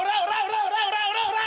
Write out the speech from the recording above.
オラオラオラオラ！